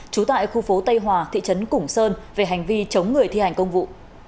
trú tại khu phố tây hòa thị trấn củng sơn về hành vi chống người thi hành công vụ